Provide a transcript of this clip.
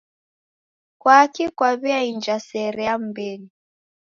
Kwaki kwaw'einja sere ya mbenyu?